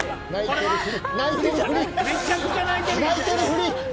泣いてるふり。